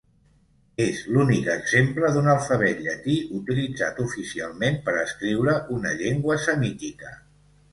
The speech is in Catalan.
És l'únic exemple d'un alfabet llatí utilitzat oficialment per escriure una llengua semítica.